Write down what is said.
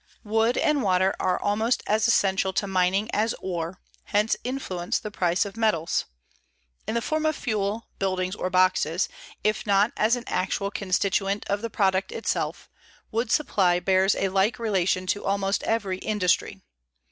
Wood and water are almost as essential to mining as are, hence influence the price of metals. In the form of fuel, buildings, or boxes, if not as an actual constituent of the product itself, wood supply bears a like relation to almost every industry.